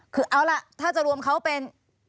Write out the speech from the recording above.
คือเอาล่ะถ้าจะรวมเขาเป็น